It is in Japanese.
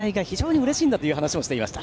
そのこと自体が非常にうれしいんだという話もしていました。